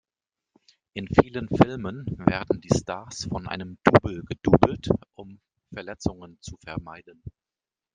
In vielen Filmen werden die Stars von einem Double gedoublet um Verletzungen zu vermeiden.